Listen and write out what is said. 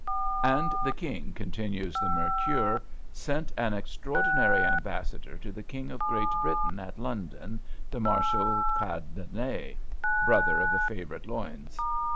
"And the King," continues the Mercure, "sent an extraordinary Ambassador to the King of Great Britain, at London, the Marshal Cadenet" (brother of the favorite Luynes).